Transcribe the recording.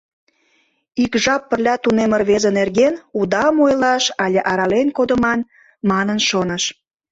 Ик жап пырля тунемме рвезе нерген удам ойлаш але арален кодыман манын шоныш